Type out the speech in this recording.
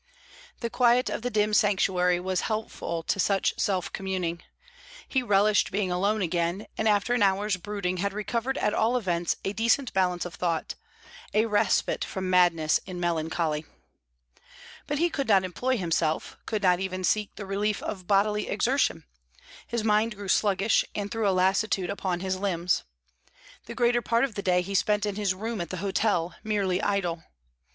The quiet of the dim sanctuary was helpful to such self communing. He relished being alone again, and after an hour's brooding had recovered at all events a decent balance of thought, a respite from madness in melancholy. But he could not employ himself, could not even seek the relief of bodily exertion; his mind grew sluggish, and threw a lassitude upon his limbs. The greater part of the day he spent in his room at the hotel, merely idle.